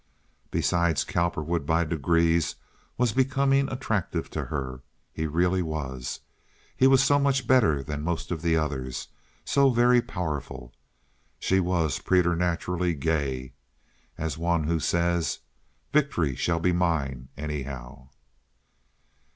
Besides, Cowperwood by degrees was becoming attractive to her; he really was. He was so much better than most of the others, so very powerful. She was preternaturally gay, as one who says, "Victory shall be mine anyhow."